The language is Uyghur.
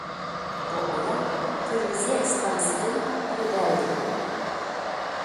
بۇ ئايال تېلېۋىزىيە ئىستانسىدىن ھەيدەلدى.